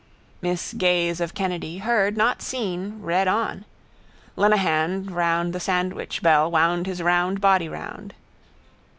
Miss gaze of Kennedy, heard, not seen, read on. Lenehan round the sandwichbell wound his round body round.